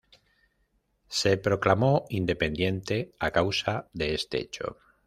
Se proclamó independiente a causa de este hecho.